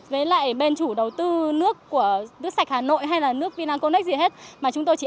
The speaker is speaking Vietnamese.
với lại bên chủ đầu tư nước của nước sạch hà nội hay là nước vinaconex gì hết mà chúng tôi chỉ